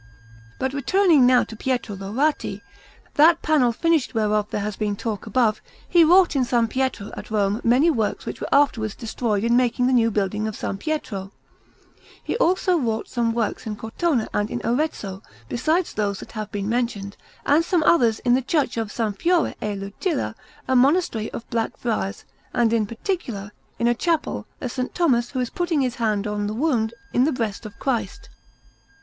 But returning now to Pietro Laurati; that panel finished whereof there has been talk above, he wrought in S. Pietro at Rome many works which were afterwards destroyed in making the new building of S. Pietro. He also wrought some works in Cortona and in Arezzo, besides those that have been mentioned, and some others in the Church of S. Fiora e Lucilla, a monastery of Black Friars, and in particular, in a chapel, a S. Thomas who is putting his hand on the wound in the breast of Christ.